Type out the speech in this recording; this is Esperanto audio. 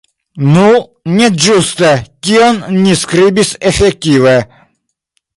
Nu, ne ĝuste tion ni skribis efektive.